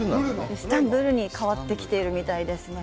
イスタンブルに変わってきているみたいですね。